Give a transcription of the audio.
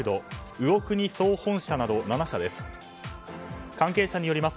魚国総本社など７社です。